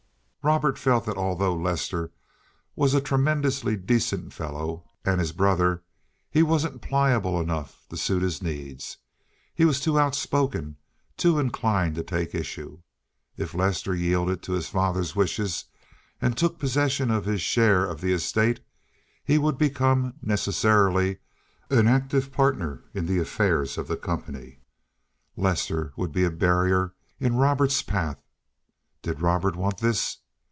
Robert felt that although Lester was a tremendously decent fellow and his brother, he wasn't pliable enough to suit his needs. He was too outspoken, too inclined to take issue. If Lester yielded to his father's wishes, and took possession of his share of the estate, he would become, necessarily, an active partner in the affairs of the company. Lester would be a barrier in Robert's path. Did Robert want this?